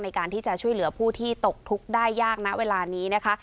ในการที่จะช่วยเหลือผู้ที่ตกทุกข์ได้ยากนะเวลานี้นะคะ